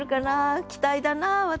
期待だな私は。